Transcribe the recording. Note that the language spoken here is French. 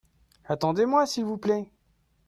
Attendez-moi s'il vous plait.